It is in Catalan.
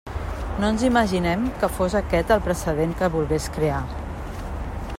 No ens imaginem que fos aquest el precedent que volgués crear.